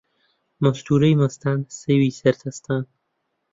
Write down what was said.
مەستوورەی مەستان سێوی سەر دەستان